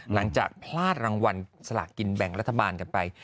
หลังจากพลาดรางวัลสลากกินแบ่งรัฐบาลกันไป